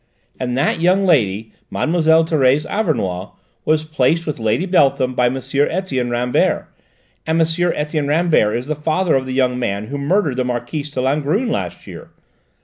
And that young lady, Mlle. Thérèse Auvernois, was placed with Lady Beltham by M. Etienne Rambert. And M. Etienne Rambert is the father of the young man who murdered the Marquise de Langrune last year.